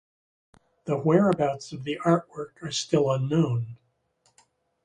The whereabouts of the artwork are still unknown.